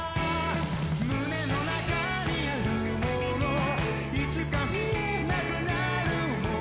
「胸の中にあるものいつか見えなくなるもの」